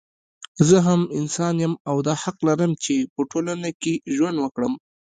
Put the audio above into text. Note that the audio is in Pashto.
زه هم انسان يم او دا حق لرم چې په ټولنه کې ژوند وکړم